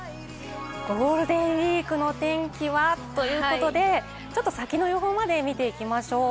ゴールデンウイークの天気は？ということで、少し先の予報まで見ていきましょう。